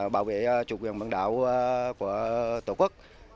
bảo vệ chủ quyền bằng đảo của tổ quốc